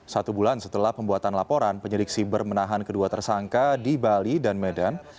satu bulan setelah pembuatan laporan penyidik siber menahan kedua tersangka di bali dan medan